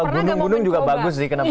gunung gunung juga bagus sih kenapa